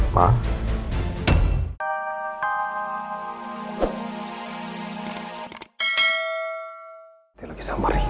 kita lagi sambar ini